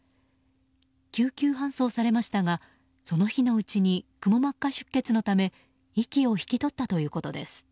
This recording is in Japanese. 救急搬送されましたがその日のうちにくも膜下出血のため息を引き取ったということです。